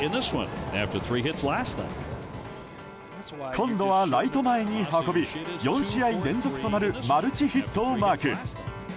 今度はライト前に運び４試合連続となるマルチヒットをマーク。